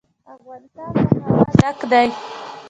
افغانستان له هوا ډک دی.